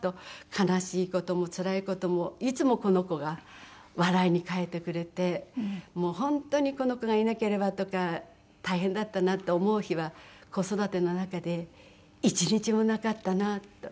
悲しい事もつらい事もいつもこの子が笑いに変えてくれてもう本当にこの子がいなければとか大変だったなって思う日は子育ての中で１日もなかったなと。